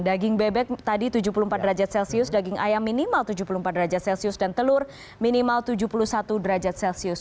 daging bebek tadi tujuh puluh empat derajat celcius daging ayam minimal tujuh puluh empat derajat celcius dan telur minimal tujuh puluh satu derajat celcius